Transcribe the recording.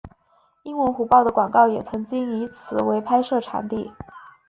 英文虎报的广告也曾经以此为拍摄场地。